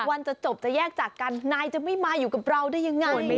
วันจะจบจะแยกจากกันนายจะไม่มาอยู่กับเราได้ยังไง